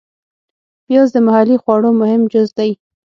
پیاز د محلي خواړو مهم جز دی